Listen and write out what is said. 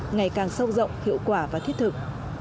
ngày càng sâu rộng hiệu quả và thiết thực